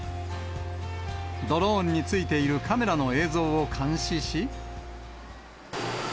ドローンについているカメラの映像を監視し。